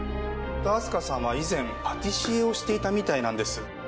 明日香さんは以前パティシエをしていたみたいなんです。